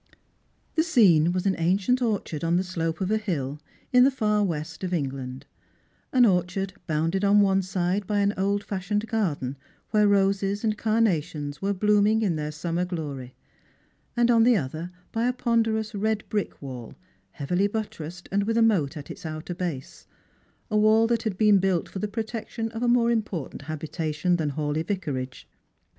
The scene was an ancient orchard on the slope of a hill, in the far west of England : an orchard bounded on one side by an old fashioned garden, where roses and carnations were blooming in their summer glory; and on the other by a ponderous red brick wall, heavily buttressed, and with a moat at its outer base — a wall that had been built for the protection of a more important habitation than Hawleigh Yicarage.